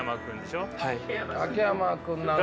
秋山君なんかは。